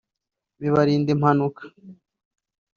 bibarinda impanuka